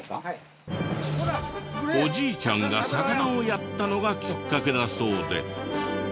おじいちゃんが魚をやったのがきっかけだそうで。